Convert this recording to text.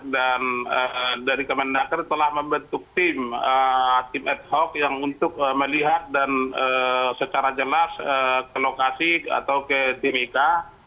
dan dari kemenaktif telah membentuk tim tim ad hoc yang untuk melihat dan secara jelas ke lokasi atau ke tim ika